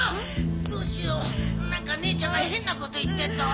どうしよう何かねえちゃんが変なこと言ってっぞ。